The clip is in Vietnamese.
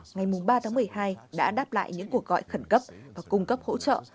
ngày ba tháng một mươi hai đã đáp lại những cuộc gọi khẩn cấp và cung cấp hỗ trợ